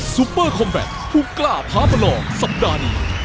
ซูเปอร์คอมแบตผู้กล้าท้าประลองสัปดาห์นี้